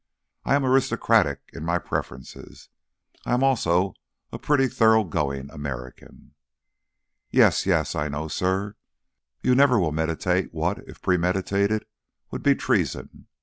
If I am aristocratic in my preferences, I am also a pretty thoroughgoing American." "Yes, yes, I know, sir. You never will meditate what, if premeditated, would be treason.